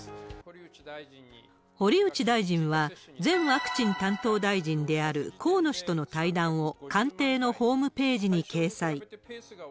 堀内大臣は、前ワクチン担当大臣である河野氏との対談を官邸のホームページに掲載。